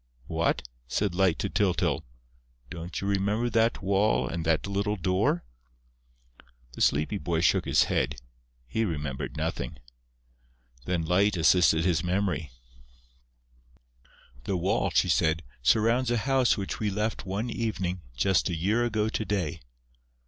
"What?" said Light to Tyltyl. "Don't you know that wall and that little door?" The sleepy boy shook his head: he remembered nothing. Then Light assisted his memory: "The wall," she said, "surrounds a house which we left one evening just a year ago to day...."